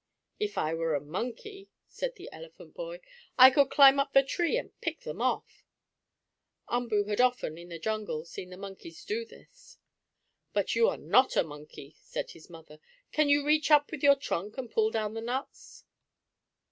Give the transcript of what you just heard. "If I were a monkey," said the elephant boy, "I could climb up the tree and pick them off." Umboo had often, in the jungle, seen the monkeys do this. "But you are not a monkey," said his mother. "Can you reach up with your trunk and pull down the nuts?"